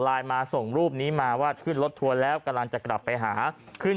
มาส่งรูปนี้มาว่าขึ้นรถทัวร์แล้วกำลังจะกลับไปหาขึ้น